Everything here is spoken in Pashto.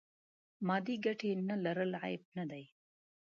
مادې ګټې نه لرل عیب نه دی.